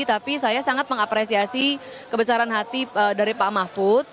tapi saya sangat mengapresiasi kebesaran hati dari pak mahfud